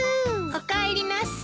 おかえりなさい。